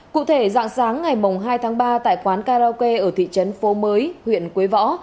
cụ thể dạng sáng ngày hai tháng ba tại quán karaoke ở thị trấn phố mới huyện quế võ